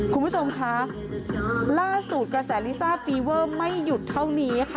คุณผู้ชมคะล่าสุดกระแสลิซ่าฟีเวอร์ไม่หยุดเท่านี้ค่ะ